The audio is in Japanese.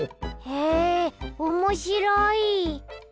へえおもしろい。